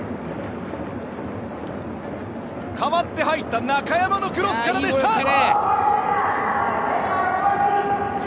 代わって入った中山のクロスからでした。